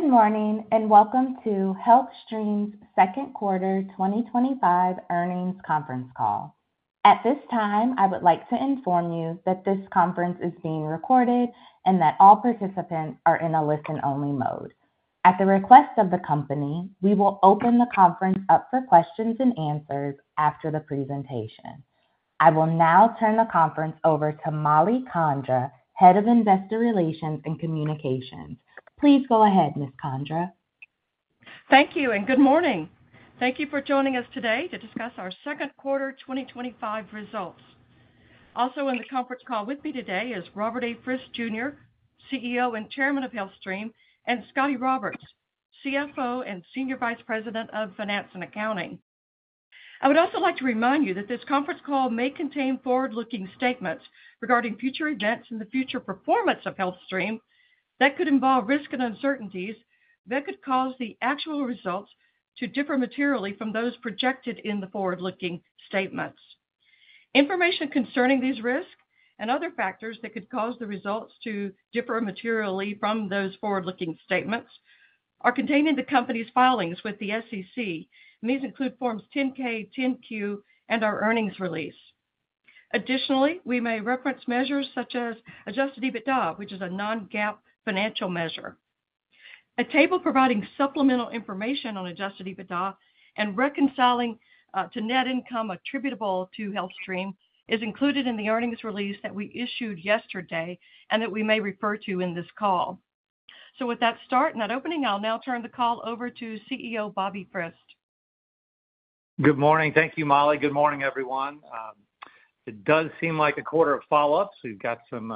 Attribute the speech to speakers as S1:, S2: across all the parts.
S1: Good morning and welcome to HealthStream's second quarter 2025 earnings conference call. At this time, I would like to inform you that this conference is being recorded and that all participants are in a listen-only mode. At the request of the company, we will open the conference up for questions and answers after the presentation. I will now turn the conference over to Mollie Condra, Head of Investor Relations and Communications. Please go ahead, Ms. Condra.
S2: Thank you and good morning. Thank you for joining us today to discuss our second quarter 2025 results. Also in the conference call with me today is Robert A. Frist, Jr., CEO and Chairman of HealthStream, and Scotty Roberts, CFO and Senior Vice President of Finance and Accounting. I would also like to remind you that this conference call may contain forward-looking statements regarding future events in the future performance of HealthStream that could involve risk and uncertainties that could cause the actual results to differ materially from those projected in the forward-looking statements. Information concerning these risks and other factors that could cause the results to differ materially from those forward-looking statements are contained in the company's filings with the SEC. These include forms 10-K, 10-Q, and our earnings release. Additionally, we may reference measures such as Adjusted EBITDA, which is a non-GAAP financial measure. A table providing supplemental information on Adjusted EBITDA and reconciling to net income attributable to HealthStream is included in the earnings release that we issued yesterday and that we may refer to in this call. With that start and that opening, I'll now turn the call over to CEO Bobby Frist.
S3: Good morning. Thank you, Mollie. Good morning, everyone. It does seem like a quarter of follow-ups. We've got some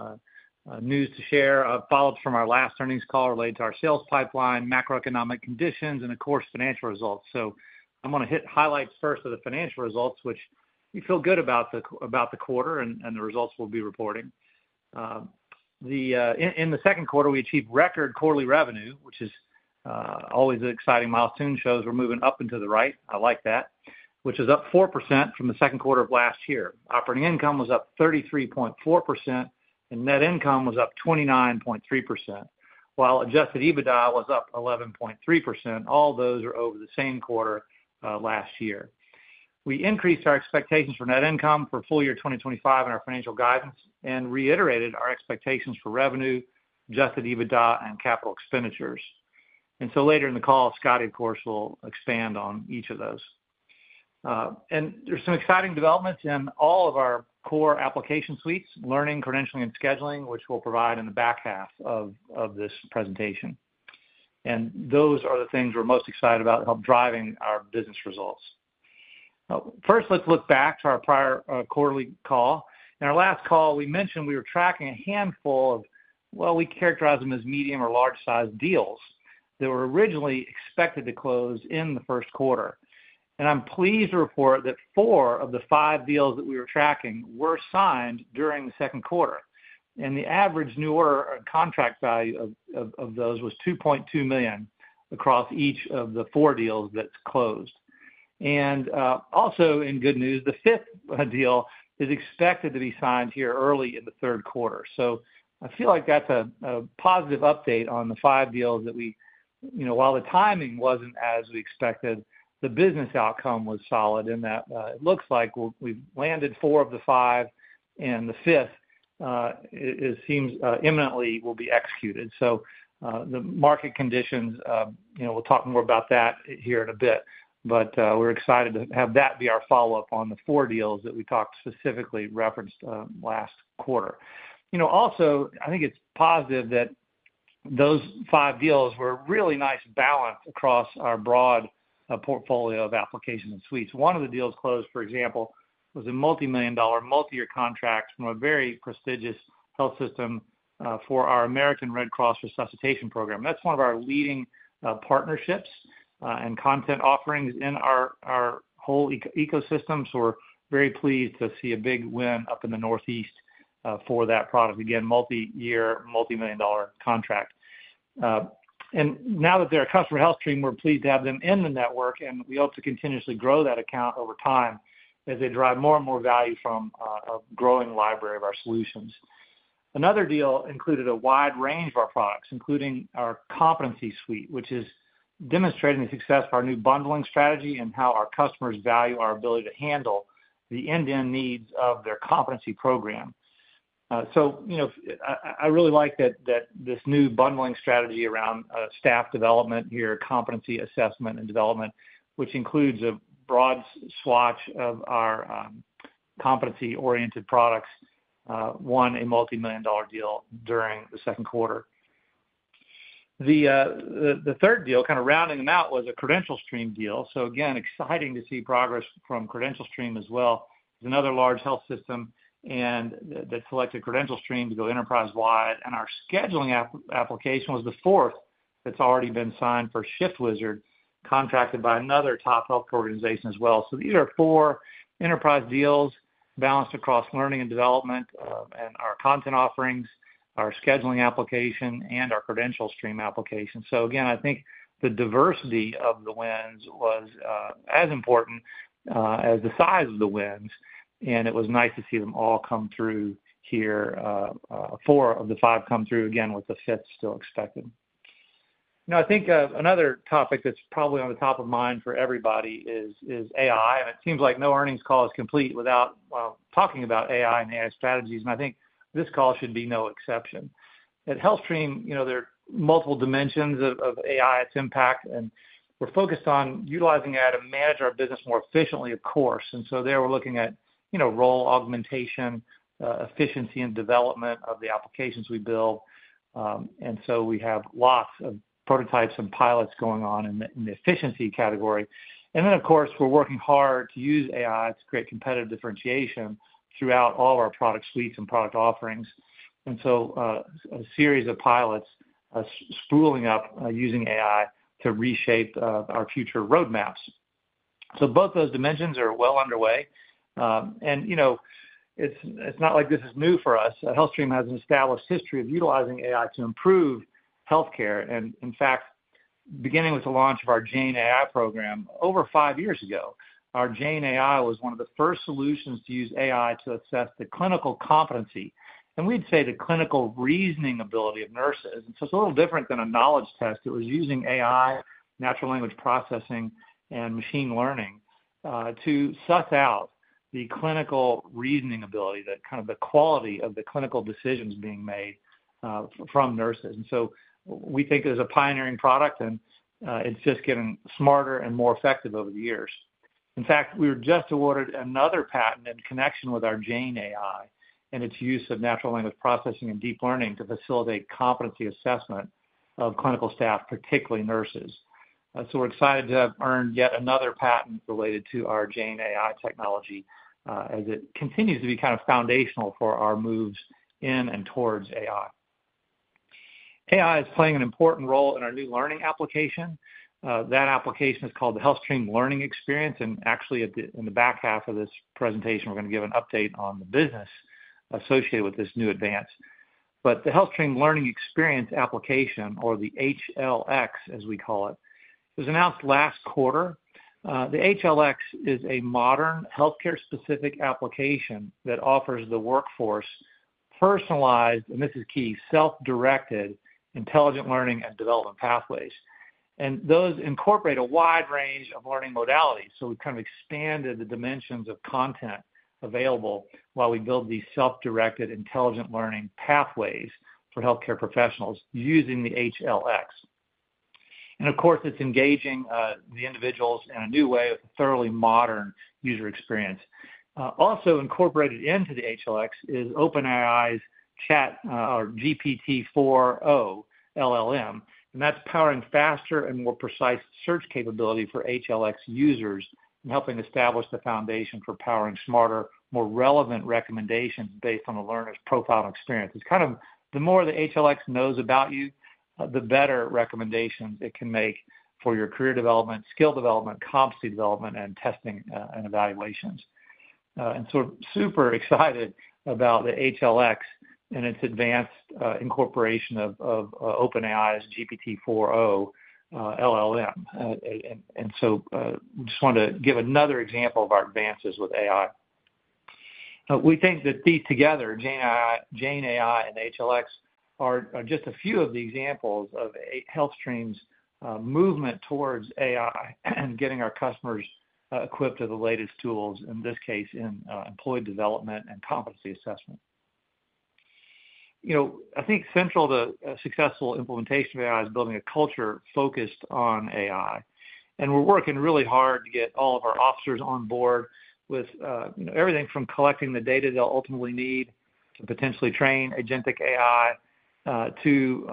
S3: news to share, follow-ups from our last earnings call related to our sales pipeline, macroeconomic conditions, and of course, financial results. I'm going to hit highlights first of the financial results, which we feel good about the quarter and the results we'll be reporting. In the second quarter, we achieved record quarterly revenue, which is always an exciting milestone. It shows we're moving up and to the right. I like that, which is up 4% from the second quarter of last year. Operating income was up 33.4% and net income was up 29.3%, while adjusted EBITDA was up 11.3%. All those are over the same quarter last year. We increased our expectations for net income for full year 2025 in our financial guidance and reiterated our expectations for revenue, adjusted EBITDA, and capital expenditures. Later in the call, Scotty, of course, will expand on each of those. There are some exciting developments in all of our core application suites, learning, credentialing, and scheduling, which we'll provide in the back half of this presentation. Those are the things we're most excited about to help drive our business results. First, let's look back to our prior quarterly call. In our last call, we mentioned we were tracking a handful of, well, we characterize them as medium or large-sized deals that were originally expected to close in the first quarter. I'm pleased to report that four of the five deals that we were tracking were signed during the second quarter. The average new order contract value of those was $2.2 million across each of the four deals that closed. Also in good news, the fifth deal is expected to be signed here early in the third quarter. I feel like that's a positive update on the five deals that we, you know, while the timing wasn't as we expected, the business outcome was solid in that it looks like we've landed four of the five, and the fifth, it seems imminently will be executed. The market conditions, you know, we'll talk more about that here in a bit, but we're excited to have that be our follow-up on the four deals that we specifically referenced last quarter. Also, I think it's positive that those five deals were a really nice balance across our broad portfolio of applications and suites. One of the deals closed, for example, was a multi-million dollar, multi-year contract from a very prestigious health system for our American Red Cross Resuscitation Program. That's one of our leading partnerships and content offerings in our whole ecosystem. We're very pleased to see a big win up in the Northeast for that product. Again, multi-year, multi-million dollar contract. Now that they're a customer of HealthStream, we're pleased to have them in the network, and we hope to continuously grow that account over time as they drive more and more value from a growing library of our solutions. Another deal included a wide range of our products, including our Competency Suite, which is demonstrating the success of our new bundling strategy and how our customers value our ability to handle the end-to-end needs of their competency program. I really like that this new bundling strategy around staff development here, competency assessment and development, which includes a broad swath of our competency-oriented products, won a multi-million dollar deal during the second quarter. The third deal, kind of rounding them out, was a CredentialStream deal. Again, exciting to see progress from CredentialStream as well. It's another large health system that selected CredentialStream to go enterprise-wide. Our scheduling application was the fourth that's already been signed for ShiftWizard, contracted by another top health organization as well. These are four enterprise deals balanced across learning and development and our content offerings, our scheduling application, and our CredentialStream application. I think the diversity of the wins was as important as the size of the wins, and it was nice to see them all come through here. Four of the five come through again with the fifth still expected. I think another topic that's probably on the top of mind for everybody is AI, and it seems like no earnings call is complete without talking about AI and AI strategies, and I think this call should be no exception. At HealthStream, there are multiple dimensions of AI, its impact, and we're focused on utilizing that to manage our business more efficiently, of course. There we're looking at role augmentation, efficiency, and development of the applications we build. We have lots of prototypes and pilots going on in the efficiency category. Of course, we're working hard to use AI to create competitive differentiation throughout all of our product suites and product offerings. A series of pilots are spooling up using AI to reshape our future roadmaps. Both those dimensions are well underway. It's not like this is new for us. HealthStream has an established history of utilizing AI to improve health care. In fact, beginning with the launch of our Jane AI program over five years ago, our Jane AI was one of the first solutions to use AI to assess the clinical competency, and we'd say the clinical reasoning ability of nurses. It's a little different than a knowledge test. It was using AI, natural language processing, and machine learning to suss out the clinical reasoning ability, the quality of the clinical decisions being made from nurses. We think it is a pioneering product, and it's just getting smarter and more effective over the years. In fact, we were just awarded another patent in connection with our Jane AI and its use of natural language processing and deep learning to facilitate competency assessment of clinical staff, particularly nurses. We're excited to have earned yet another patent related to our Jane AI technology as it continues to be foundational for our moves in and towards AI. AI is playing an important role in our new learning application. That application is called the HealthStream Learning Experience. In the back half of this presentation, we're going to give an update on the business associated with this new advance. The HealthStream Learning Experience application, or the HLX, as we call it, was announced last quarter. The HLX is a modern healthcare-specific application that offers the workforce personalized, and this is key, self-directed intelligent learning and development pathways. Those incorporate a wide range of learning modalities. We've expanded the dimensions of content available while we build these self-directed intelligent learning pathways for healthcare professionals using the HLX. It's engaging the individuals in a new way, a thoroughly modern user experience. Also incorporated into the HLX is OpenAI's GPT-4o LLM. That's powering faster and more precise search capability for HLX users and helping establish the foundation for powering smarter, more relevant recommendations based on the learner's profile and experience. It's kind of the more the HealthStream Learning Experience knows about you, the better recommendations it can make for your career development, skill development, competency development, and testing and evaluations. We're super excited about the HealthStream Learning Experience and its advanced incorporation of OpenAI's GPT-4o LLM. I just wanted to give another example of our advances with AI. We think that together Jane AI and the HealthStream Learning Experience are just a few of the examples of HealthStream's movement towards AI and getting our customers equipped with the latest tools, in this case in employee development and competency assessment. I think central to a successful implementation of AI is building a culture focused on AI. We're working really hard to get all of our officers on board with everything from collecting the data they'll ultimately need to potentially train agentic AI to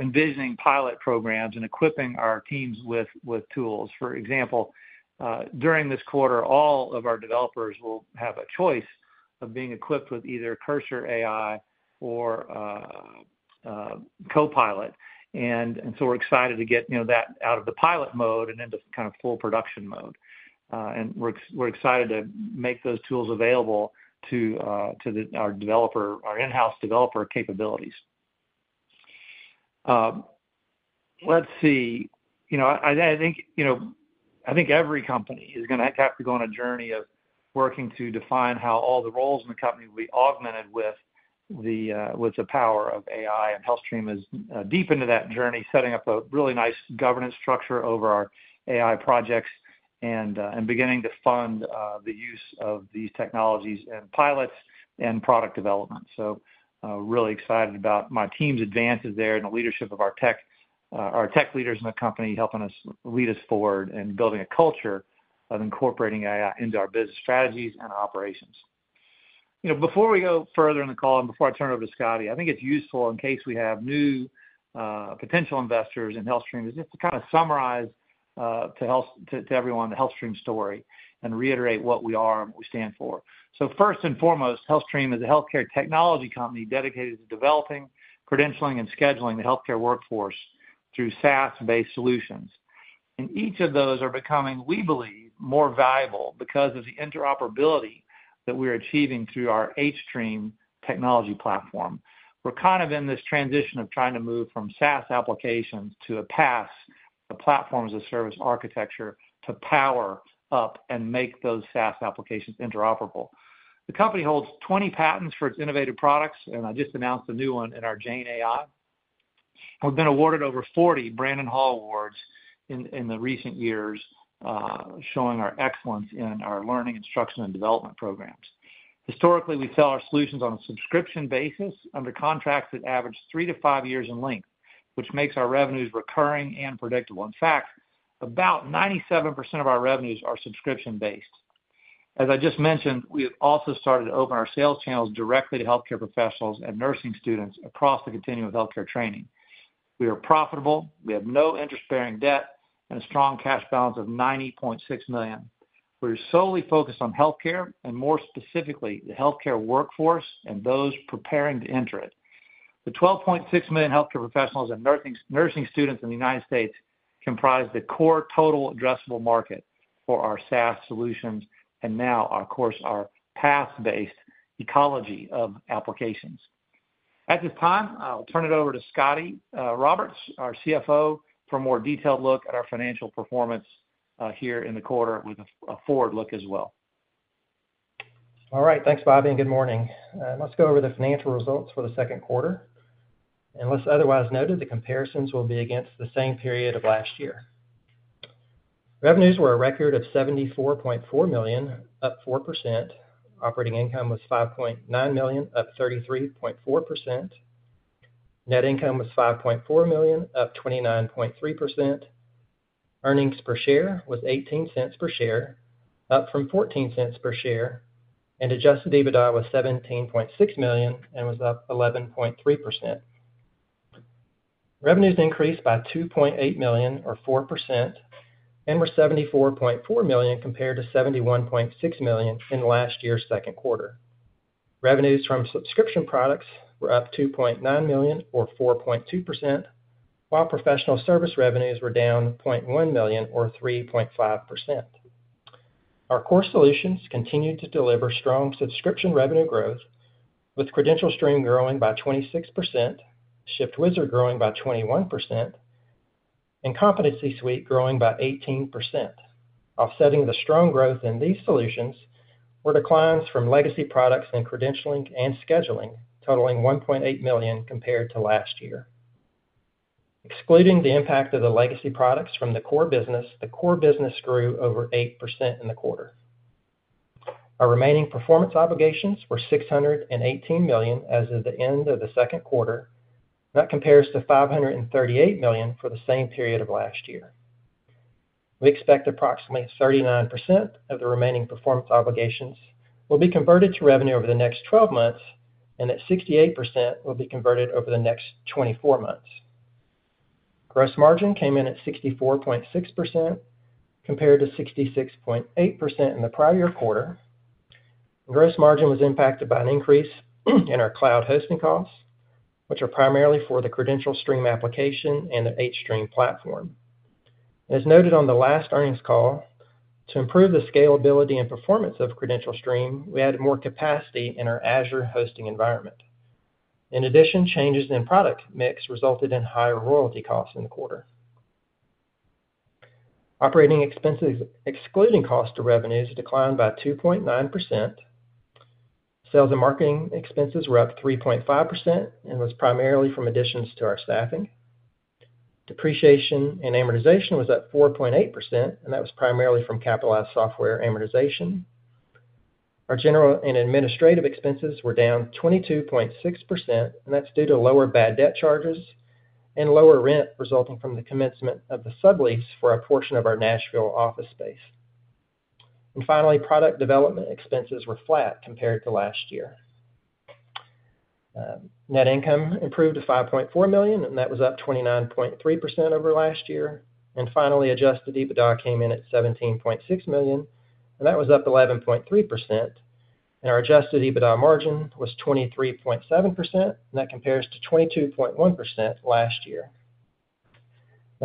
S3: envisioning pilot programs and equipping our teams with tools. For example, during this quarter, all of our developers will have a choice of being equipped with either Cursor AI or Copilot. We're excited to get that out of the pilot mode and into full production mode. We're excited to make those tools available to our in-house developer capabilities. I think every company is going to have to go on a journey of working to define how all the roles in the company will be augmented with the power of AI. HealthStream is deep into that journey, setting up a really nice governance structure over our AI projects and beginning to fund the use of these technologies in pilots and product development. I'm really excited about my team's advances there and the leadership of our tech leaders in the company helping us lead us forward and building a culture of incorporating AI into our business strategies and operations. Before we go further in the call and before I turn it over to Scotty, I think it's useful in case we have new potential investors in HealthStream to kind of summarize to everyone the HealthStream story and reiterate what we are and what we stand for. First and foremost, HealthStream is a healthcare technology company dedicated to developing, credentialing, and scheduling the healthcare workforce through SaaS-based solutions. Each of those are becoming, we believe, more valuable because of the interoperability that we're achieving through our H-stream platform. We're kind of in this transition of trying to move from SaaS applications to a PaaS, a platform as a service architecture, to power up and make those SaaS applications interoperable. The company holds 20 patents for its innovative products, and I just announced a new one in our Jane AI. We've been awarded over 40 Brandon Hall Awards in the recent years, showing our excellence in our learning, instruction, and development programs. Historically, we sell our solutions on a subscription basis under contracts that average three to five years in length, which makes our revenues recurring and predictable. In fact, about 97% of our revenues are subscription-based. As I just mentioned, we have also started to open our sales channels directly to healthcare professionals and nursing students across the continuum of healthcare training. We are profitable. We have no interest-bearing debt and a strong cash balance of 90.6 million. We're solely focused on healthcare and more specifically the healthcare workforce and those preparing to enter it. The 12.6 million healthcare professionals and nursing students in the United States comprise the core total addressable market for our SaaS solutions and now, of course, our PaaS-based ecology of applications. At this time, I'll turn it over to Scotty Roberts, our CFO, for a more detailed look at our financial performance here in the quarter with a forward look as well. All right.
S4: Thanks, Bobby, and good morning. Let's go over the financial results for the second quarter. As otherwise noted, the comparisons will be against the same period of last year. Revenues were a record of 74.4 million, up 4%. Operating income was 5.9 million, up 33.4%. Net income was 5.4 million, up 29.3%. Earnings per share was $0.18 per share, up from $0.14 per share. Adjusted EBITDA was 17.6 million and was up 11.3%. Revenues increased by 2.8 million, or 4%, and were 74.4 million compared to $71.6 million in last year's second quarter. Revenues from subscription products were up 2.9 million, or 4.2%, while professional service revenues were down 0.1 million, or 3.5%. Our core solutions continued to deliver strong subscription revenue growth, with CredentialStream growing by 26%, ShiftWizard growing by 21%, and Competency Suite growing by 18%. Offsetting the strong growth in these solutions were declines from legacy products and credentialing and scheduling, totaling 1.8 million compared to last year. Excluding the impact of the legacy products from the core business, the core business grew over 8% in the quarter. Our remaining performance obligations were $618 million as of the end of the second quarter. That compares to $538 million for the same period of last year. We expect approximately 39% of the remaining performance obligations will be converted to revenue over the next 12 months, and 68% will be converted over the next 24 months. Gross margin came in at 64.6% compared to 66.8% in the prior year quarter. Gross margin was impacted by an increase in our cloud hosting costs, which are primarily for the CredentialStream application and the H-stream platform. As noted on the last earnings call, to improve the scalability and performance of CredentialStream, we added more capacity in our Azure hosting environment. In addition, changes in product mix resulted in higher royalty costs in the quarter. Operating expenses excluding costs to revenues declined by 2.9%. Sales and marketing expenses were up 3.5% and were primarily from additions to our staffing. Depreciation and amortization was up 4.8%, and that was primarily from capitalized software amortization. Our general and administrative expenses were down 22.6%, and that's due to lower bad debt charges and lower rent resulting from the commencement of the sublease for a portion of our Nashville office space. Product development expenses were flat compared to last year. Net income improved to 5.4 million, and that was up 29.3% over last year. Adjusted EBITDA came in at $17.6 million, and that was up 11.3%. Our adjusted EBITDA margin was 23.7%, and that compares to 22.1% last year.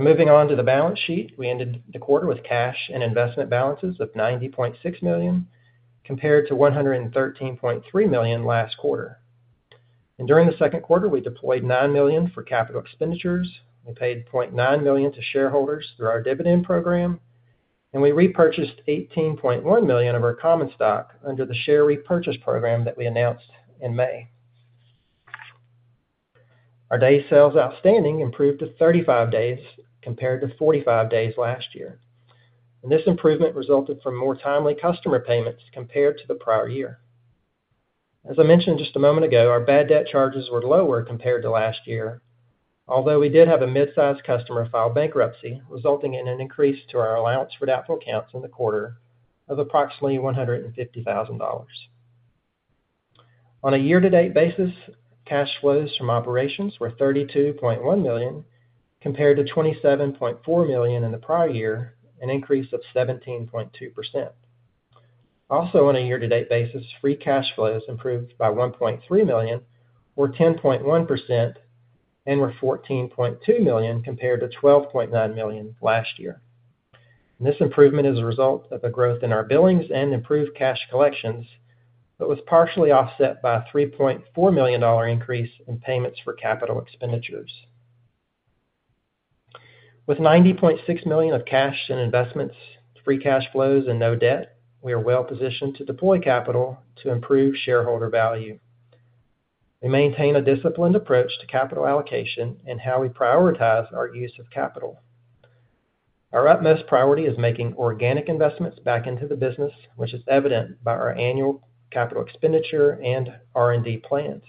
S4: Moving on to the balance sheet, we ended the quarter with cash and investment balances of 90.6 million compared to 113.3 million last quarter. During the second quarter, we deployed 9 million for capital expenditures. We paid 0.9 million to shareholders through our dividend program, and we repurchased 18.1 million of our common stock under the share repurchase program that we announced in May. Our day sales outstanding improved to 35 days compared to 45 days last year. This improvement resulted from more timely customer payments compared to the prior year. As I mentioned just a moment ago, our bad debt charges were lower compared to last year, although we did have a mid-sized customer file bankruptcy resulting in an increase to our allowance for doubtful accounts in the quarter of approximately $150,000. On a year-to-date basis, cash flows from operations were 32.1 million compared to 27.4 million in the prior year, an increase of 17.2%. Also, on a year-to-date basis, free cash flows improved 1.3 million, were 10.1%, and were $14.2 million compared to $12.9 million last year. This improvement is a result of the growth in our billings and improved cash collections, but was partially offset by a $3.4 million increase in payments for capital expenditures. With $90.6 million of cash and investments, free cash flows, and no debt, we are well positioned to deploy capital to improve shareholder value. We maintain a disciplined approach to capital allocation and how we prioritize our use of capital. Our utmost priority is making organic investments back into the business, which is evident by our annual capital expenditure and R&D plans.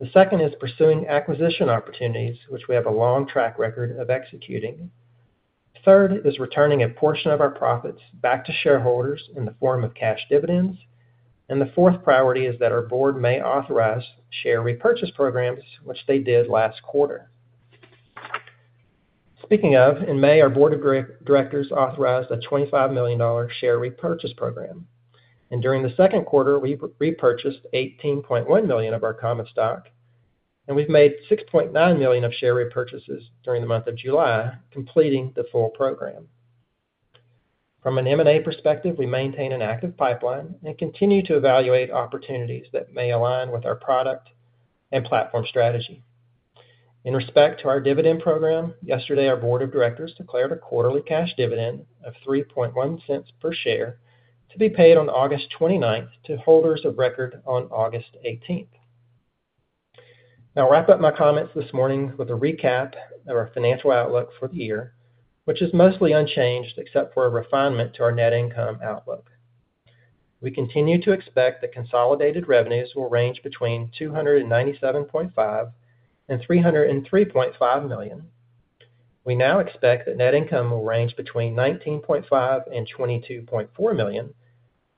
S4: The second is pursuing acquisition opportunities, which we have a long track record of executing. The third is returning a portion of our profits back to shareholders in the form of cash dividends. The fourth priority is that our board may authorize share repurchase programs, which they did last quarter. Speaking of, in May, our board of directors authorized a 25 million share repurchase program. During the second quarter, we repurchased 18.1 million of our common stock, and we've made $6.9 million of share repurchases during the month of July, completing the full program. From an M&A perspective, we maintain an active pipeline and continue to evaluate opportunities that may align with our product and platform strategy. In respect to our dividend program, yesterday, our board of directors declared a quarterly cash dividend of $0.03 per share to be paid on August 29th to holders of record on August 18th. Now, I'll wrap up my comments this morning with a recap of our financial outlook for the year, which is mostly unchanged except for a refinement to our net income outlook. We continue to expect that consolidated revenues will range between 297.5 million and 303.5 million. We now expect that net income will range between 19.5 million and 22.4 million,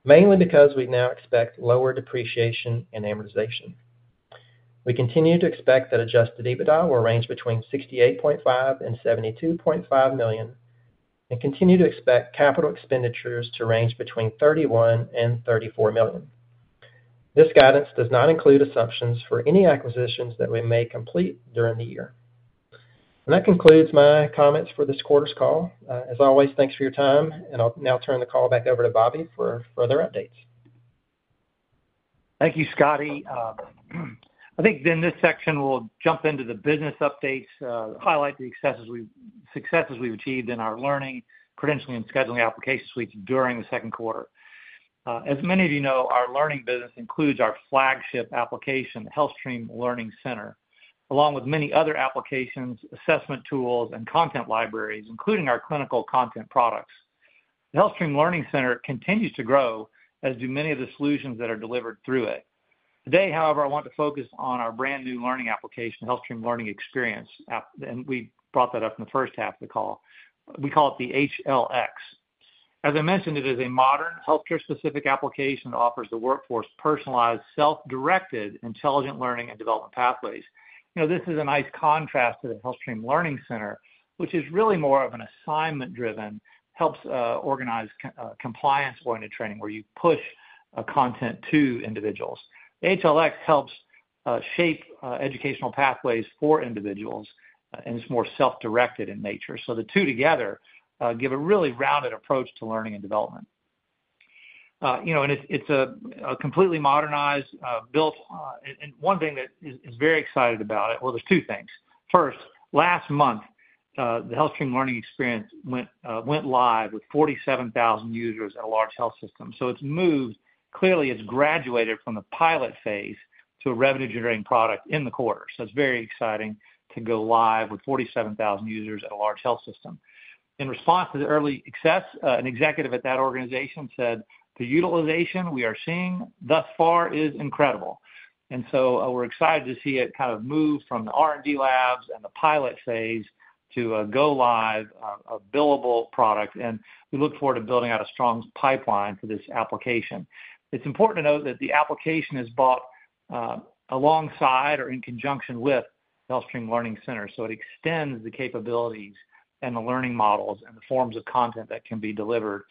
S4: mainly because we now expect lower depreciation and amortization. We continue to expect that adjusted EBITDA will range between 68.5 million and 72.5 million and continue to expect capital expenditures to range between 31 million and 34 million. This guidance does not include assumptions for any acquisitions that we may complete during the year. That concludes my comments for this quarter's call. As always, thanks for your time, and I'll now turn the call back over to Bobby for further updates.
S3: Thank you, Scotty.I think in this section, we'll jump into the business updates, highlight the successes we've achieved in our learning, credentialing, and scheduling application suites during the second quarter. As many of you know, our learning business includes our flagship application, HealthStream Learning Center, along with many other applications, assessment tools, and content libraries, including our clinical content products. The HealthStream Learning Center continues to grow, as do many of the solutions that are delivered through it. Today, however, I want to focus on our brand new learning application, HealthStream Learning Experience, and we brought that up in the first half of the call. We call it the HLX. As I mentioned, it is a modern healthcare-specific application that offers the workforce personalized, self-directed intelligent learning and development pathways. This is a nice contrast to the HealthStream Learning Center, which is really more of an assignment-driven, helps organize compliance-oriented training where you push content to individuals. The HLX helps shape educational pathways for individuals, and it's more self-directed in nature. The two together give a really rounded approach to learning and development. It's a completely modernized, built, and one thing that is very exciting about it, there are two things. First, last month, the HealthStream Learning Experience went live with 47,000 users at a large health system. It's moved, clearly, it's graduated from the pilot phase to a revenue-generating product in the quarter. It's very exciting to go live with 47,000 users at a large health system. In response to the early success, an executive at that organization said, "The utilization we are seeing thus far is incredible." We're excited to see it move from the R&D labs and the pilot phase to a go live, a billable product. We look forward to building out a strong pipeline for this application. It's important to note that the application is bought alongside or in conjunction with the HealthStream Learning Center, so it extends the capabilities and the learning models and the forms of content that can be delivered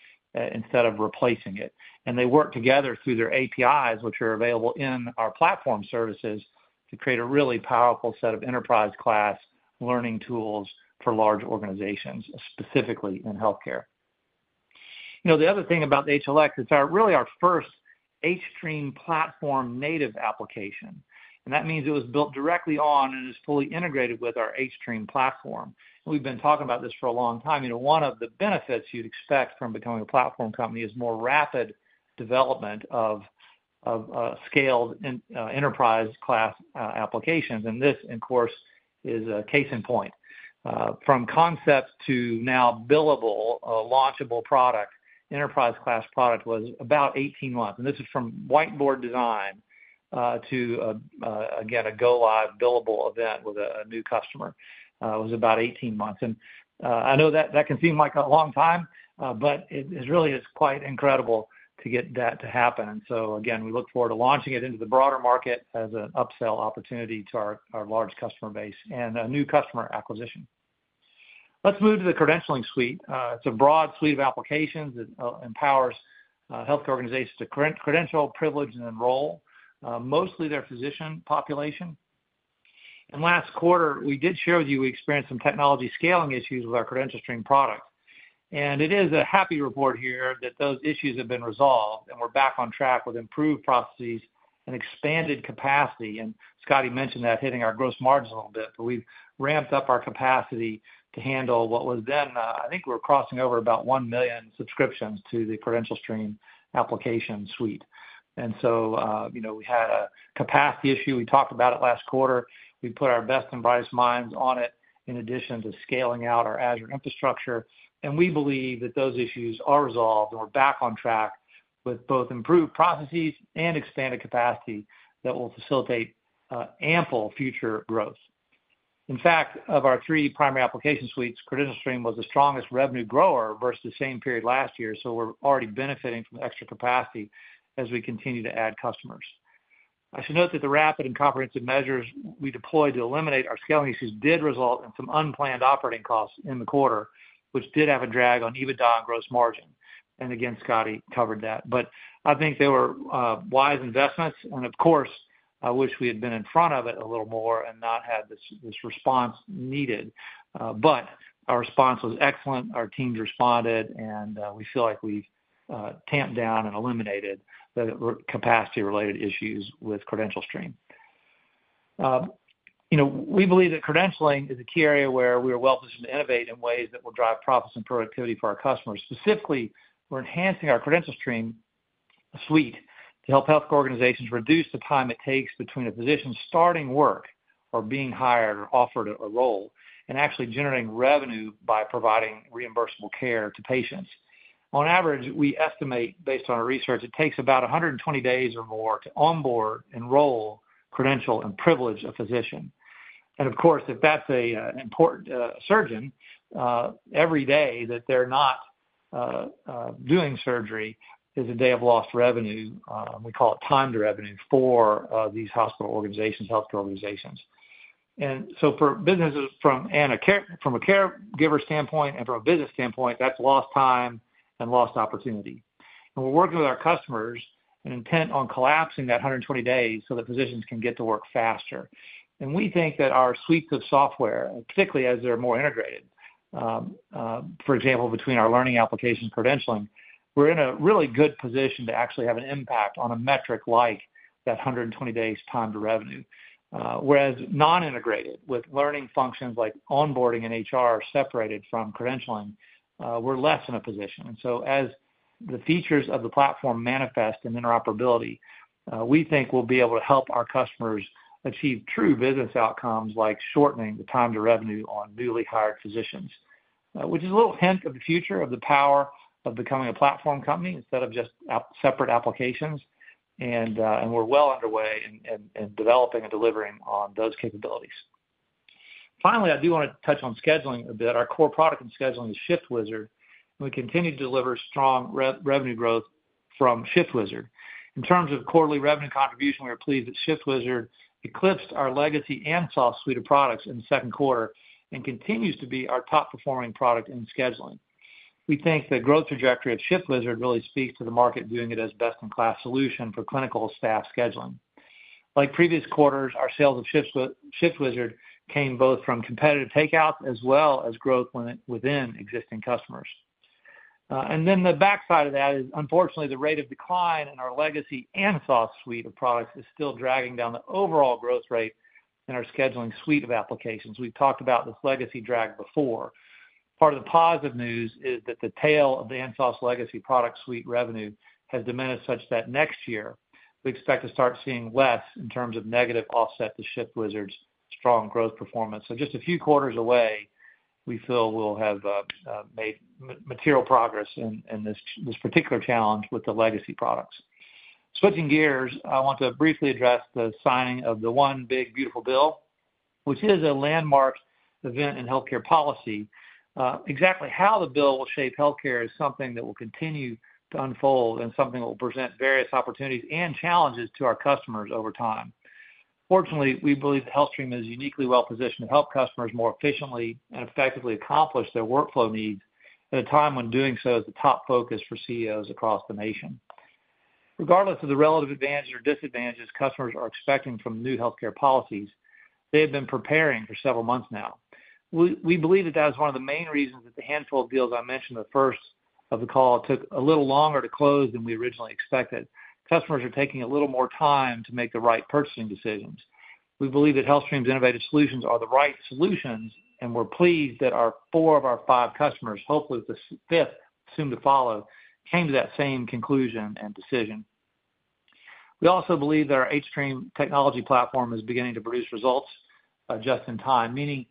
S3: instead of replacing it. They work together through their APIs, which are available in our platform services to create a really powerful set of enterprise-class learning tools for large organizations, specifically in healthcare. The other thing about the HealthStream Learning Experience, it's really our first H-stream platform-native application. That means it was built directly on and is fully integrated with our H-stream platform. We've been talking about this for a long time. One of the benefits you'd expect from becoming a platform company is more rapid development of scaled enterprise-class applications. This, of course, is a case in point. From concept to now billable, launchable product, enterprise-class product was about 18 months. This is from whiteboard design to, again, a go live billable event with a new customer was about 18 months. I know that that can seem like a long time, but it really is quite incredible to get that to happen. We look forward to launching it into the broader market as an upsell opportunity to our large customer base and a new customer acquisition. Let's move to the credentialing suite. It's a broad suite of applications that empowers healthcare organizations to credential, privilege, and enroll mostly their physician population. Last quarter, we did share with you we experienced some technology scaling issues with our CredentialStream product. It is a happy report here that those issues have been resolved and we're back on track with improved processes and expanded capacity. Scotty mentioned that hitting our gross margins a little bit, but we've ramped up our capacity to handle what was then, I think we were crossing over about 1 million subscriptions to the CredentialStream application suite. We had a capacity issue. We talked about it last quarter. We put our best and brightest minds on it in addition to scaling out our Azure infrastructure. We believe that those issues are resolved and we're back on track with both improved processes and expanded capacity that will facilitate ample future growth. In fact, of our three primary application suites, CredentialStream was the strongest revenue grower versus the same period last year. We're already benefiting from the extra capacity as we continue to add customers. I should note that the rapid and comprehensive measures we deployed to eliminate our scaling issues did result in some unplanned operating costs in the quarter, which did have a drag on EBITDA and gross margin. Scotty covered that. I think they were wise investments. Of course, I wish we had been in front of it a little more and not had this response needed. Our response was excellent. Our teams responded, and we feel like we've tamped down and eliminated the capacity-related issues with CredentialStream. We believe that credentialing is a key area where we are well positioned to innovate in ways that will drive profits and productivity for our customers. Specifically, we're enhancing our CredentialStream suite to help healthcare organizations reduce the time it takes between a physician starting work or being hired or offered a role and actually generating revenue by providing reimbursable care to patients. On average, we estimate, based on our research, it takes about 120 days or more to onboard, enroll, credential, and privilege a physician. If that's an important surgeon, every day that they're not doing surgery is a day of lost revenue. We call it time to revenue for these hospital organizations, healthcare organizations. For businesses from a caregiver standpoint and from a business standpoint, that's lost time and lost opportunity. We're working with our customers and intent on collapsing that 120 days so that physicians can get to work faster. We think that our suites of software, particularly as they're more integrated, for example, between our learning application credentialing, we're in a really good position to actually have an impact on a metric like that 120 days time to revenue. Whereas non-integrated, with learning functions like onboarding and HR separated from credentialing, we're less in a position. As the features of the platform manifest in interoperability, we think we'll be able to help our customers achieve true business outcomes like shortening the time to revenue on newly hired physicians, which is a little hint of the future of the power of becoming a platform company instead of just separate applications. We're well underway in developing and delivering on those capabilities. Finally, I do want to touch on scheduling a bit. Our core product in scheduling is ShiftWizard. We continue to deliver strong revenue growth from ShiftWizard. In terms of quarterly revenue contribution, we are pleased that ShiftWizard eclipsed our legacy and soft suite of products in the second quarter and continues to be our top-performing product in scheduling. We think the growth trajectory of ShiftWizard really speaks to the market viewing it as a best-in-class solution for clinical staff scheduling. Like previous quarters, our sales of ShiftWizard came both from competitive takeout as well as growth within existing customers. The backside of that is, unfortunately, the rate of decline in our legacy and soft suite of products is still dragging down the overall growth rate in our scheduling suite of applications. We've talked about this legacy drag before. Part of the positive news is that the tail of the soft legacy product suite revenue has diminished such that next year we expect to start seeing less in terms of negative offset to ShiftWizard's strong growth performance. Just a few quarters away, we feel we'll have made material progress in this particular challenge with the legacy products. Switching gears, I want to briefly address the signing of the One Big Beautiful Bill, which is a landmark event in healthcare policy. Exactly how the bill will shape healthcare is something that will continue to unfold and something that will present various opportunities and challenges to our customers over time. Fortunately, we believe that HealthStream is uniquely well positioned to help customers more efficiently and effectively accomplish their workflow needs at a time when doing so is the top focus for CEOs across the nation. Regardless of the relative advantages or disadvantages customers are expecting from the new healthcare policies, they have been preparing for several months now. We believe that was one of the main reasons that the handful of deals I mentioned in the first of the call took a little longer to close than we originally expected. Customers are taking a little more time to make the right purchasing decisions. We believe that HealthStream's innovative solutions are the right solutions, and we're pleased that four of our five customers, hopefully with the fifth soon to follow, came to that same conclusion and decision. We also believe that our H-stream platform is beginning to produce results just in time, meaning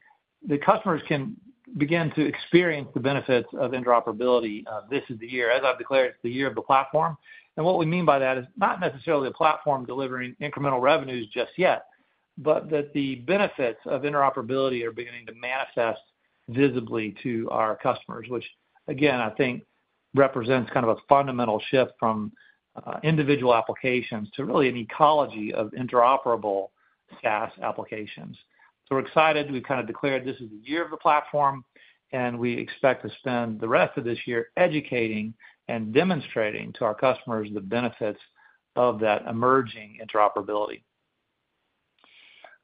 S3: that customers can begin to experience the benefits of interoperability. This is the year, as I've declared, it's the year of the platform. What we mean by that is not necessarily a platform delivering incremental revenues just yet, but that the benefits of interoperability are beginning to manifest visibly to our customers, which, again, I think represents kind of a fundamental shift from individual applications to really an ecology of interoperable SaaS applications. We're excited. We've declared this is the year of the platform, and we expect to spend the rest of this year educating and demonstrating to our customers the benefits of that emerging interoperability.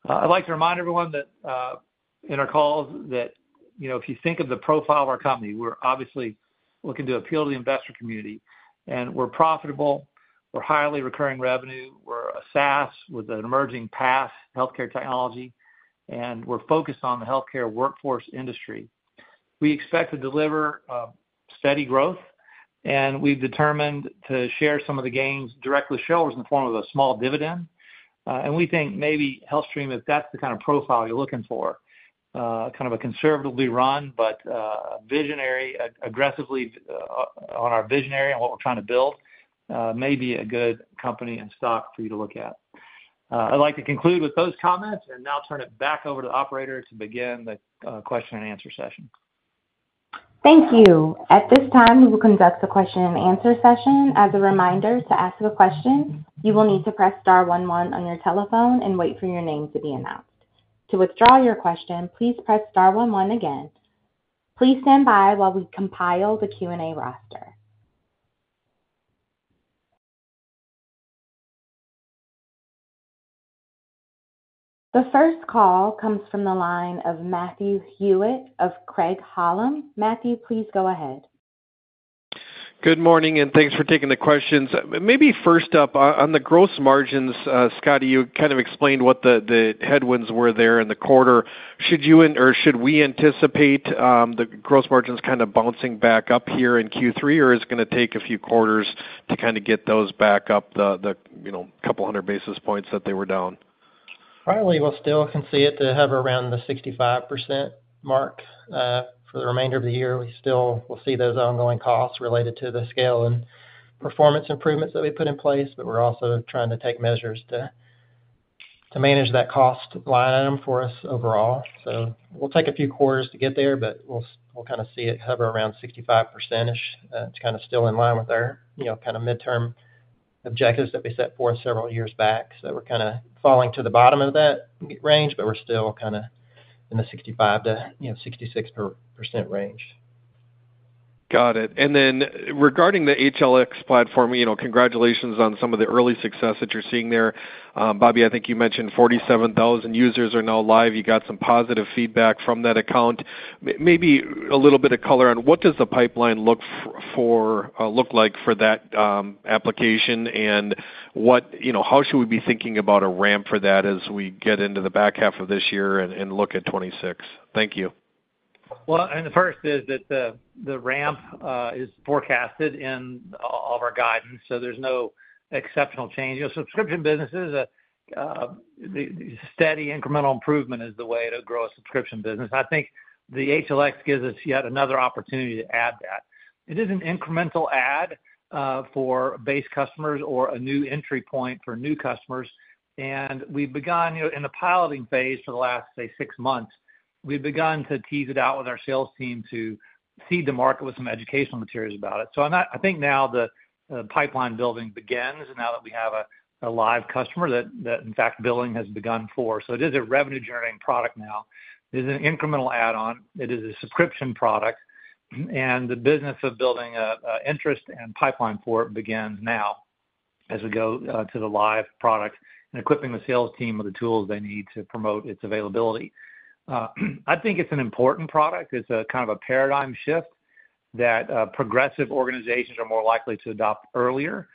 S3: I'd like to remind everyone that in our calls, if you think of the profile of our company, we're obviously looking to appeal to the investor community, and we're profitable. We're highly recurring revenue. We're a SaaS with an emerging path in healthcare technology, and we're focused on the healthcare workforce industry. We expect to deliver steady growth, and we've determined to share some of the gains directly to shareholders in the form of a small dividend. We think maybe HealthStream, if that's the kind of profile you're looking for, kind of a conservatively run but aggressively visionary in what we're trying to build, may be a good company and stock for you to look at. I'd like to conclude with those comments and now turn it back over to the operator to begin the question and answer session.
S1: Thank you. At this time, we will conduct the question and answer session. As a reminder, to ask a question, you will need to press star 11 on your telephone and wait for your name to be announced. To withdraw your question, please press star 11 again. Please stand by while we compile the Q&A route. The first call comes from the line of Matthew Hewitt of Craig-Hallum Capital Group. Matthew, please go ahead.
S5: Good morning, and thanks for taking the questions. Maybe first up on the gross margins, Scotty, you explained what the headwinds were there in the quarter. Should you or should we anticipate the gross margins kind of bouncing back up here in Q3, or is it going to take a few quarters to get those back up the, you know, a couple hundred basis points that they were down?
S4: Currently, we still can see it to have around the 65% mark. For the remainder of the year, we still will see those ongoing costs related to the scale and performance improvements that we put in place, but we're also trying to take measures to manage that cost line item for us overall. It will take a few quarters to get there, but we'll kind of see it hover around 65%-ish. It's kind of still in line with our, you know, kind of midterm objectives that we set forth several years back. We're kind of falling to the bottom of that range, but we're still kind of in the 65% to, you know, 66% range.
S5: Got it. Regarding the HealthStream Learning Experience platform, congratulations on some of the early success that you're seeing there. Bobby, I think you mentioned 47,000 users are now live. You got some positive feedback from that account. Maybe a little bit of color on what does the pipeline look like for that application and how should we be thinking about a ramp for that as we get into the back half of this year and look at 2026? Thank you.
S6: The first is that the ramp is forecasted in all of our guidance. There is no exceptional change. You know, subscription businesses, a steady incremental improvement is the way to grow a subscription business. I think the HealthStream Learning Experience gives us yet another opportunity to add that. It is an incremental add for base customers or a new entry point for new customers. We've begun, in the piloting phase for the last, say, six months, to tease it out with our sales team to seed the market with some educational materials about it. I think now the pipeline building begins, and now that we have a live customer that, in fact, billing has begun for. It is a revenue-generating product now. It is an incremental add-on. It is a subscription product. The business of building an interest and pipeline for it begins now as we go to the live product and equipping the sales team with the tools they need to promote its availability. I think it's an important product. It's a kind of a paradigm shift that progressive organizations are more likely to adopt earlier,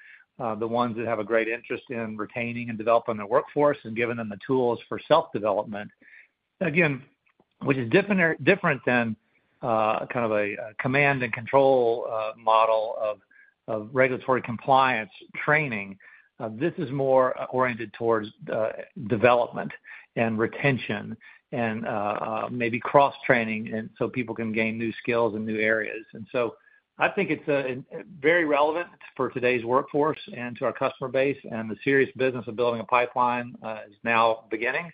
S6: the ones that have a great interest in retaining and developing their workforce and giving them the tools for self-development, again, which is different than kind of a command and control model of regulatory compliance training. This is more oriented towards development and retention and maybe cross-training so people can gain new skills in new areas. I think it's very relevant for today's workforce and to our customer base. The serious business of building a pipeline is now beginning.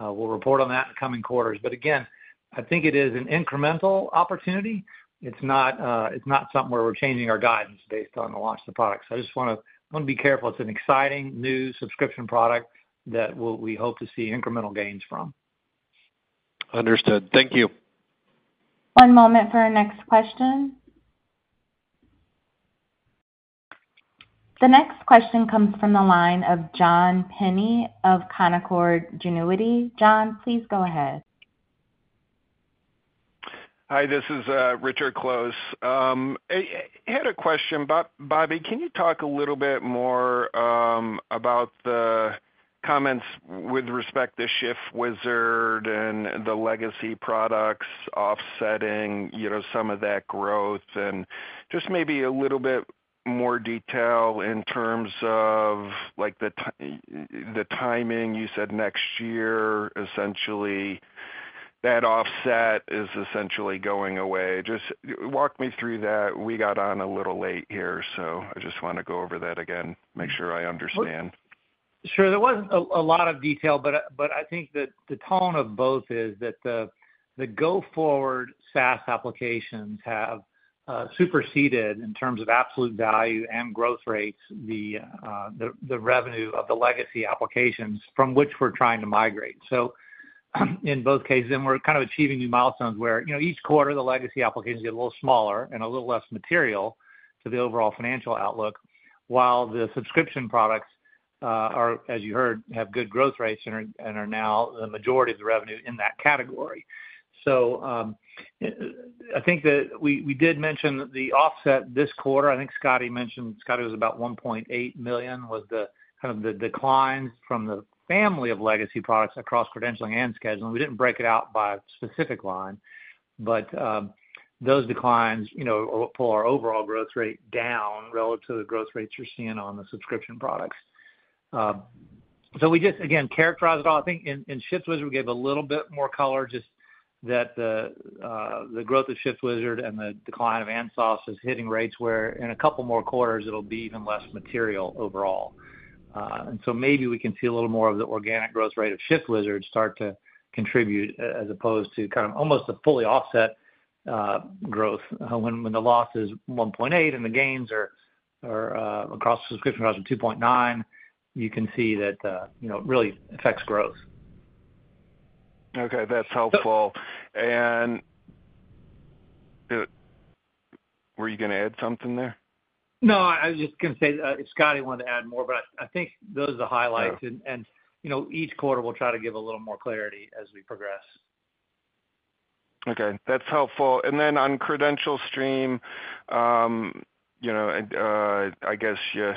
S6: We'll report on that in the coming quarters. I think it is an incremental opportunity. It's not something where we're changing our guidance based on the launch of the product. I just want to be careful. It's an exciting new subscription product that we hope to see incremental gains from.
S4: Understood. Thank you.
S1: One moment for our next question. The next question comes from the line of John Pinney of Canaccord Genuity. John, please go ahead.
S7: Hi, this is Richard Close. I had a question. Bobby, can you talk a little bit more about the comments with respect to ShiftWizard and the legacy products offsetting some of that growth and just maybe a little bit more detail in terms of the timing? You said next year, essentially, that offset is essentially going away. Just walk me through that. We got on a little late here, so I just want to go over that again, make sure I understand.
S3: Sure. There wasn't a lot of detail, but I think that the tone of both is that the go forward SaaS applications have superseded, in terms of absolute value and growth rates, the revenue of the legacy applications from which we're trying to migrate. In both cases, then we're kind of achieving new milestones where, you know, each quarter, the legacy applications get a little smaller and a little less material to the overall financial outlook, while the subscription products are, as you heard, have good growth rates and are now the majority of the revenue in that category. I think that we did mention the offset this quarter. I think Scotty mentioned it was about 1.8 million was the kind of the declines from the family of legacy products across credentialing and scheduling. We didn't break it out by a specific line, but those declines, you know, pull our overall growth rate down relative to the growth rates you're seeing on the subscription products. We just, again, characterize it all. I think in ShiftWizard, we gave a little bit more color just that the growth of ShiftWizard and the decline of Ansoss is hitting rates where, in a couple more quarters, it'll be even less material overall. Maybe we can see a little more of the organic growth rate of ShiftWizard start to contribute as opposed to kind of almost a fully offset growth. When the loss is 1.8 and the gains are across the subscription products of 2.9, you can see that, you know, it really affects growth.
S7: Okay, that's helpful. Were you going to add something there?
S3: I was just going to say if Scotty wanted to add more, but I think those are the highlights. Each quarter we'll try to give a little more clarity as we progress.
S7: Okay, that's helpful. On CredentialStream, you know, I guess you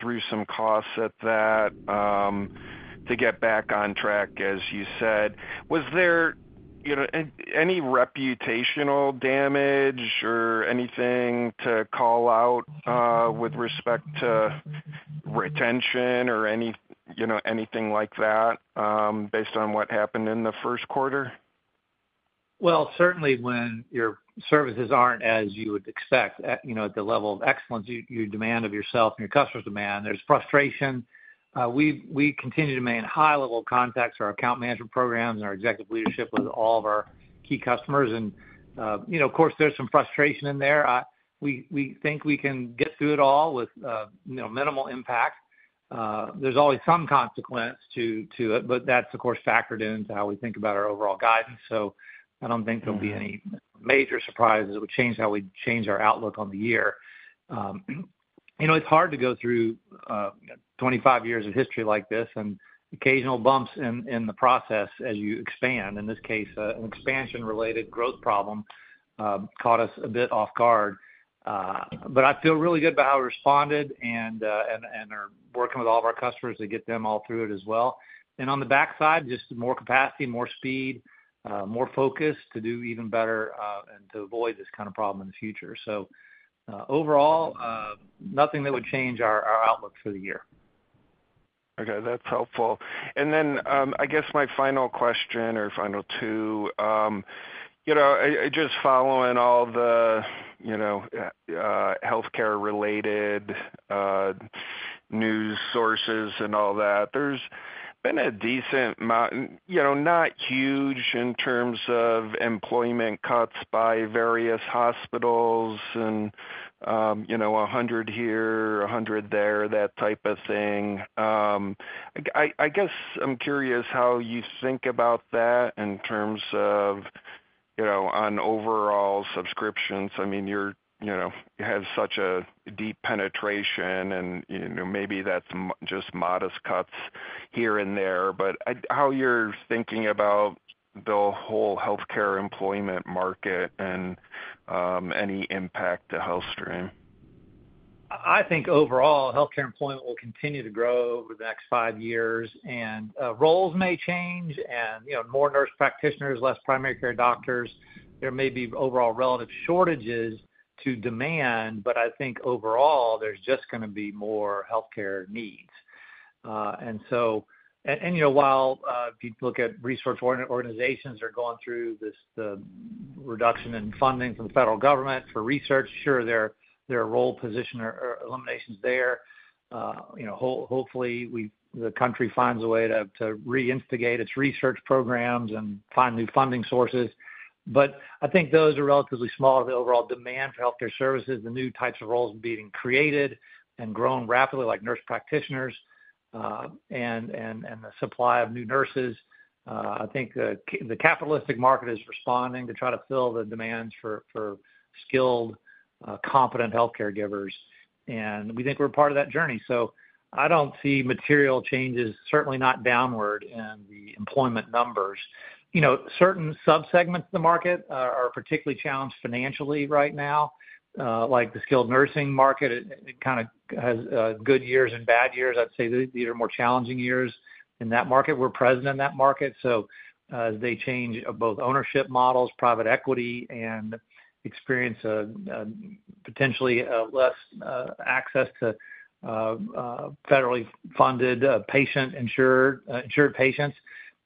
S7: threw some costs at that to get back on track, as you said. Was there any reputational damage or anything to call out with respect to retention or anything like that based on what happened in the first quarter?
S3: Certainly, when your services aren't as you would expect, at the level of excellence you demand of yourself and your customers demand, there's frustration. We continue to maintain high-level contacts for our Account Management programs and our Executive Leadership with all of our key customers. Of course, there's some frustration in there. We think we can get through it all with minimal impact. There's always some consequence to it, but that's factored into how we think about our overall guidance. I don't think there'll be any major surprises that would change how we change our outlook on the year. It's hard to go through 25 years of history like this and occasional bumps in the process as you expand. In this case, an expansion-related growth problem caught us a bit off guard. I feel really good about how we responded and are working with all of our customers to get them all through it as well. On the backside, just more capacity, more speed, more focus to do even better and to avoid this kind of problem in the future. Overall, nothing that would change our outlook for the year.
S7: Okay, that's helpful. I guess my final question or final two, just following all the healthcare-related news sources and all that, there's been a decent amount, not huge in terms of employment cuts by various hospitals, 100 here, 100 there, that type of thing. I guess I'm curious how you think about that in terms of overall subscriptions. I mean, you have such a deep penetration and maybe that's just modest cuts here and there. How are you thinking about the whole healthcare employment market and any impact to HealthStream?
S3: I think overall healthcare employment will continue to grow over the next five years. Roles may change and, you know, more nurse practitioners, less primary care doctors. There may be overall relative shortages to demand, but I think overall there's just going to be more healthcare needs. If you look at research organizations that are going through this, the reduction in funding from the federal government for research, sure, there are role position or eliminations there. Hopefully, the country finds a way to reinstigate its research programs and find new funding sources. I think those are relatively small. The overall demand for healthcare services, the new types of roles being created and growing rapidly, like nurse practitioners and the supply of new nurses, I think the capitalistic market is responding to try to fill the demands for skilled, competent healthcare givers. We think we're part of that journey. I don't see material changes, certainly not downward in the employment numbers. Certain subsegments of the market are particularly challenged financially right now, like the skilled nursing market. It kind of has good years and bad years. I'd say these are more challenging years in that market. We're present in that market. As they change both ownership models, private equity, and experience potentially less access to federally funded patient-insured patients,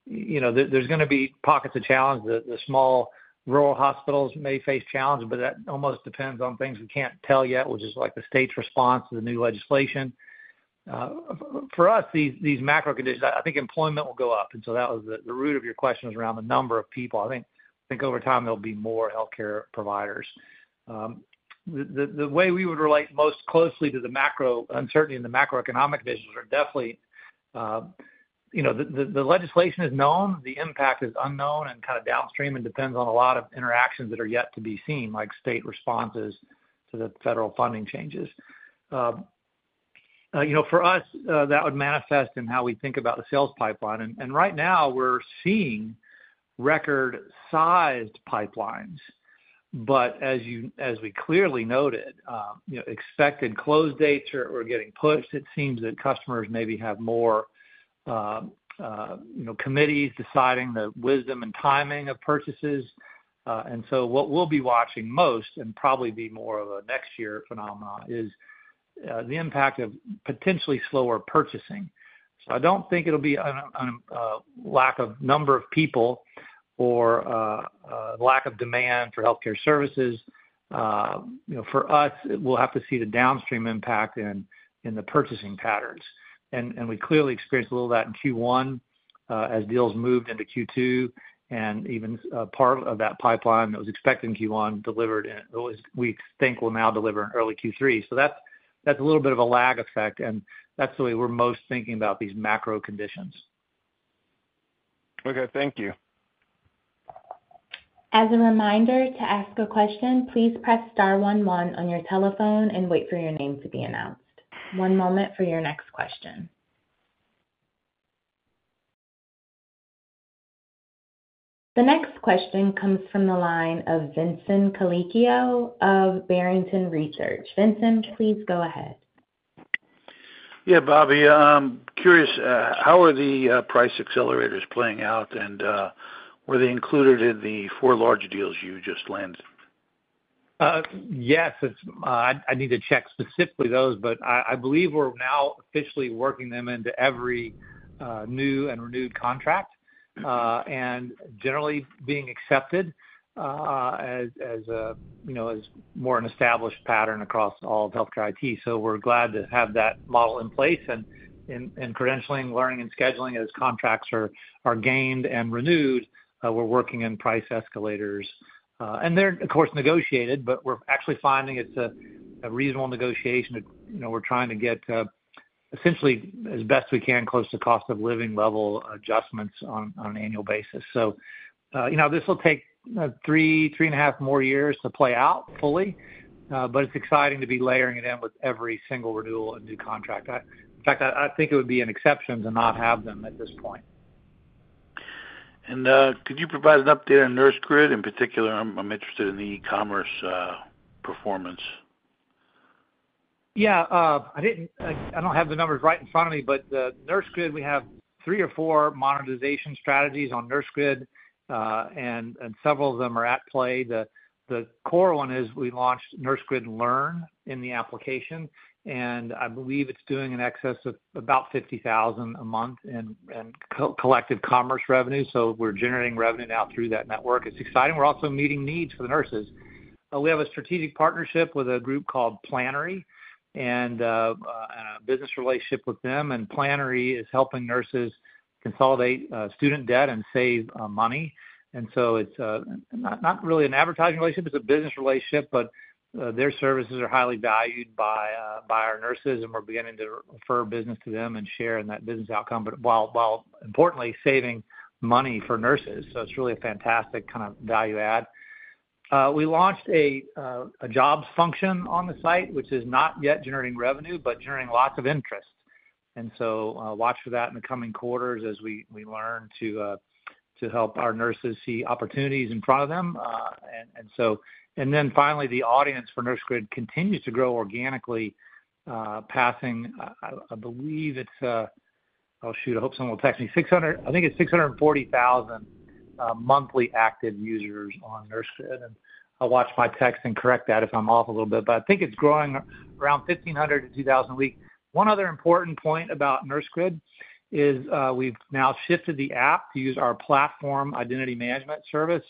S3: there's going to be pockets of challenge. The small rural hospitals may face challenges, but that almost depends on things we can't tell yet, which is like the state's response to the new legislation. For us, these macro conditions, I think employment will go up. That was the root of your question, was around the number of people. I think over time there'll be more healthcare providers. The way we would relate most closely to the macro uncertainty in the macroeconomic conditions are definitely, you know, the legislation is known, the impact is unknown, and kind of downstream and depends on a lot of interactions that are yet to be seen, like state responses to the federal funding changes. For us, that would manifest in how we think about the sales pipeline. Right now we're seeing record-sized pipelines. As we clearly noted, expected close dates are getting pushed. It seems that customers maybe have more committees deciding the wisdom and timing of purchases. What we'll be watching most, and probably be more of a next-year phenomenon, is the impact of potentially slower purchasing. I don't think it'll be a lack of number of people or a lack of demand for healthcare services. For us, we'll have to see the downstream impact in the purchasing patterns. We clearly experienced a little of that in Q1 as deals moved into Q2. Even part of that pipeline that was expected in Q1 delivered, we think will now deliver in early Q3. That's a little bit of a lag effect, and that's the way we're most thinking about these macro conditions.
S7: Okay, thank you.
S1: As a reminder, to ask a question, please press star 11 on your telephone and wait for your name to be announced. One moment for your next question. The next question comes from the line of Vincent Calicchio of Barrington Research. Vincent, please go ahead.
S8: Yeah, Bobby, I'm curious, how are the price accelerators playing out? Were they included in the four large deals you just landed?
S3: Yes, I need to check specifically those, but I believe we're now officially working them into every new and renewed contract and generally being accepted as, you know, as more an established pattern across all of healthcare IT. We're glad to have that model in place. In credentialing, learning, and scheduling, as contracts are gained and renewed, we're working in price escalators. They're, of course, negotiated, but we're actually finding it's a reasonable negotiation. We're trying to get essentially as best we can close to cost of living level adjustments on an annual basis. This will take three, three and a half more years to play out fully, but it's exciting to be layering it in with every single renewal of new contract. In fact, I think it would be an exception to not have them at this point.
S8: Could you provide an update on Nurse Grid? In particular, I'm interested in the e-commerce performance.
S3: I don't have the numbers right in front of me, but Nurse Grid, we have three or four monetization strategies on Nurse Grid, and several of them are at play. The core one is we launched Nurse Grid Learn in the application, and I believe it's doing in excess of about 50,000 a month in collected commerce revenue. We're generating revenue now through that network. It's exciting. We're also meeting needs for the nurses. We have a strategic partnership with a group called Planary and a business relationship with them. Planary is helping nurses consolidate student debt and save money. It's not really an advertising relationship. It's a business relationship, but their services are highly valued by our nurses, and we're beginning to refer business to them and share in that business outcome, while importantly saving money for nurses. It's really a fantastic kind of value add. We launched a jobs function on the site, which is not yet generating revenue, but generating lots of interest. Watch for that in the coming quarters as we learn to help our nurses see opportunities in front of them. Finally, the audience for Nurse Grid continues to grow organically, passing, I believe it's, oh shoot, I hope someone will text me, 600, I think it's 640,000 monthly active users on Nurse Grid. I'll watch my text and correct that if I'm off a little bit, but I think it's growing around 1,500 to 2,000 a week. One other important point about Nurse Grid is we've now shifted the app to use our platform identity management service.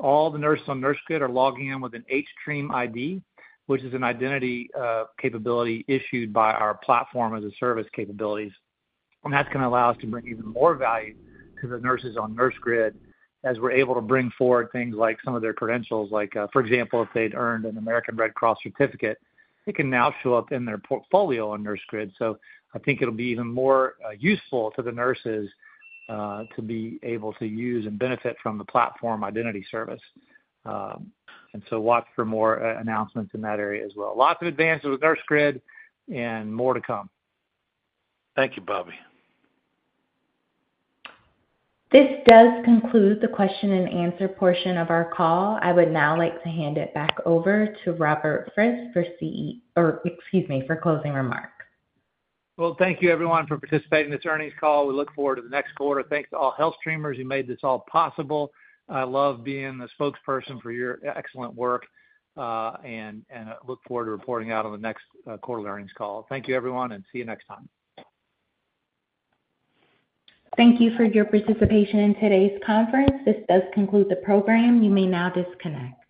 S3: All the nurses on Nurse Grid are logging in with an H-stream ID, which is an identity capability issued by our platform as a service capabilities. That's going to allow us to bring even more value to the nurses on Nurse Grid as we're able to bring forward things like some of their credentials. For example, if they'd earned an American Red Cross certificate, it can now show up in their portfolio on Nurse Grid. I think it'll be even more useful to the nurses to be able to use and benefit from the platform identity service. Watch for more announcements in that area as well. Lots of advances with Nurse Grid and more to come.
S8: Thank you, Bobby.
S1: This does conclude the question and answer portion of our call. I would now like to hand it back over to Robert Frist for closing remarks.
S3: Thank you, everyone, for participating in this earnings call. We look forward to the next quarter. Thank all HealthStreamers who made this all possible. I love being the spokesperson for your excellent work, and I look forward to reporting out on the next quarterly earnings call. Thank you, everyone, and see you next time.
S1: Thank you for your participation in today's conference. This does conclude the program. You may now disconnect.